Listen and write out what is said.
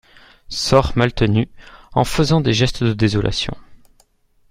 Sort Maltenu en faisant des gestes de désolation.